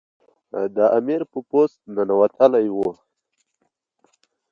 د امیر په پوست ننوتلی وو.